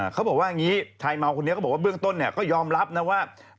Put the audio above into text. เค้าบอกว่างี้ทายเม่าคนนี้บอกว่าเบื้องต้นเนี่ยยอมรับว่า